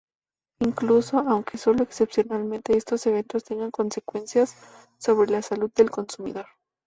Incluso aunque sólo excepcionalmente estos eventos tengan consecuencias sobre la salud del consumidor.